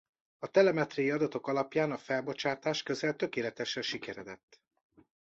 A telemetriai adatok alapján a felbocsátás közel tökéletesre sikeredett.